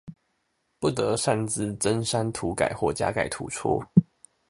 不得擅自增刪塗改或加蓋圖戳